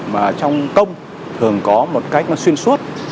mà trong công thường có một cách nó xuyên suốt